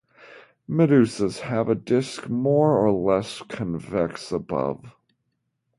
Medusas have a disk more or less convex above.